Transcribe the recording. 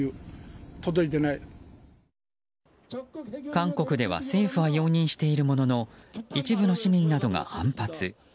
韓国では政府は容認しているものの一部の市民などが反発。